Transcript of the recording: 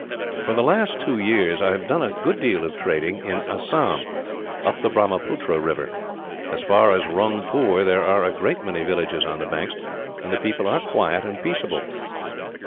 "For the last two years I have done a good deal of trade in Assam, up the Brahmaputra river. As far as Rungpoor there are a great many villages on the banks, and the people are quiet and peaceable."